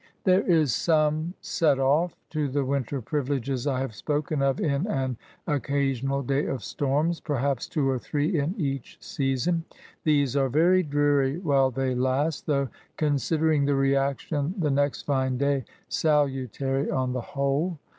There is some set off to the winter privileges I have spoken of, in an occasional day of storms ; perhaps two or three in each season. These are very dreary while they last ; though, considering the reaction, the next fine day, salutary on the whole.